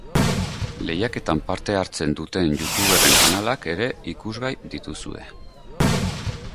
Lehiaketan parte hartzen duten youtuberren kanalak ere ikusgai dituzue.